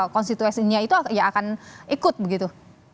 konstituenya itu akan ikut begitu